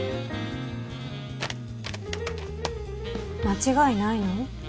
間違いないの？